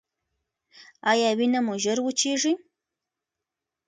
ایا وینه مو ژر وچیږي؟